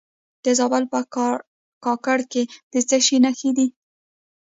د زابل په کاکړ کې د څه شي نښې دي؟